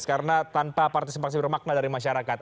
karena tanpa partisipasi bermakna dari masyarakat